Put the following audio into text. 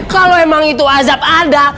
kalau memang itu azab ada